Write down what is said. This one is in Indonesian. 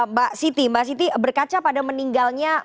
mbak siti mbak siti berkaca pada meninggalnya